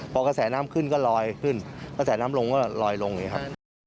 พอกระแสน้ำขึ้นก็ลอยขึ้นกระแสน้ำลงก็ลอยลงอย่างนี้ครับ